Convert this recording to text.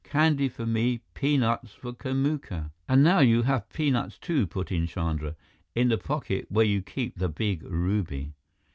Candy for me peanuts for Kamuka " "And now you have peanuts, too," put in Chandra, "in the pocket where you keep the big ruby."